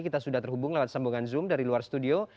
kita sudah terhubung lewat sambungan zoom dari luar studio